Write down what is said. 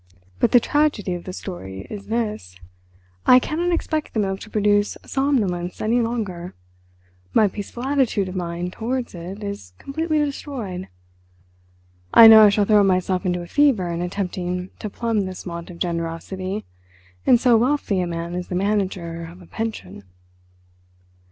But the tragedy of the story is this: I cannot expect the milk to produce somnolence any longer; my peaceful attitude of mind towards it is completely destroyed. I know I shall throw myself into a fever in attempting to plumb this want of generosity in so wealthy a man as the manager of a pension.